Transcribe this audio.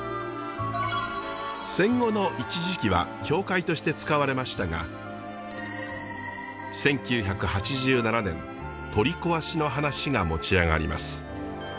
戦後の一時期は教会として使われましたが１９８７年取り壊しの話が持ち上がります。